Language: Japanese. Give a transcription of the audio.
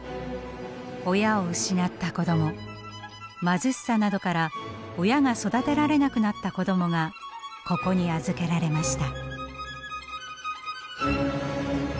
親を失った子ども貧しさなどから親が育てられなくなった子どもがここに預けられました。